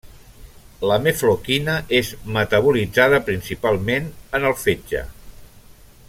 La mefloquina és metabolitzada principalment en el fetge.